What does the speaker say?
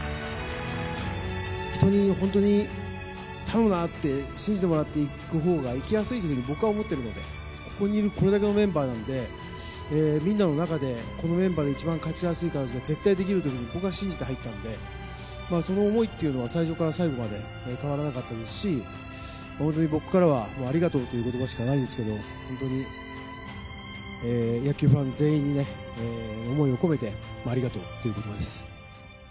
人に、本当に頼むなって信じてもらっていくほうがいきやすいというふうに僕は思ってるので、ここにいるこれだけのメンバーなので、みんなの中で、このメンバーで一番勝ちやすい形が絶対できるというふうに僕は信じて入ったので、その思いっていうのは最初から最後まで変わらなかったですし、本当に僕からは、ありがとうということばしかないですけど、本当に野球ファン全員に思いを込めて、ありがとうということばです。